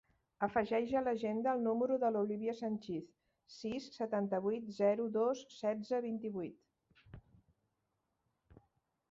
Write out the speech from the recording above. Afegeix a l'agenda el número de l'Olívia Sanchiz: sis, setanta-vuit, zero, dos, setze, vint-i-vuit.